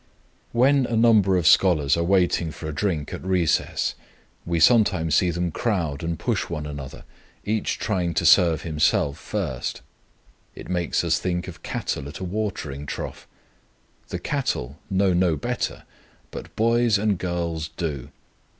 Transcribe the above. When a number of scholars are waiting for a drink at recess, we sometimes see them crowd and push one another, each trying to serve himself first. It makes us think of cattle at a watering trough. The cattle know no better, but boys and girls do.